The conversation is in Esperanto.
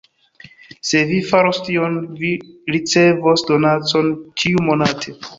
Se vi faros tion, vi ricevos donacon ĉiu-monate.